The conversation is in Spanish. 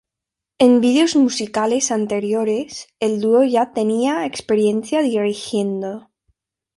En videos musicales anteriores, el duo ya tenía experiencia dirigiendo.